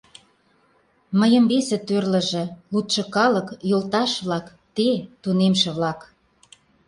Мыйым весе тӧрлыжӧ, лудшо калык, йолташ-влак, те — тунемше-влак.